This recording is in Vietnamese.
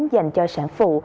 dành cho sản phụ